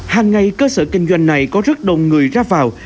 hàng ngày cơ sở kinh doanh này có rất đông người ra vào